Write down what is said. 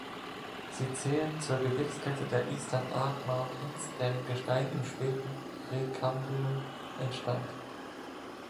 Sie zählen zur Gebirgskette der Eastern Arc Mountains, deren Gestein im späten Präkambrium entstand.